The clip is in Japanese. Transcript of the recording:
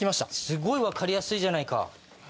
すごい分かりやすいじゃないか。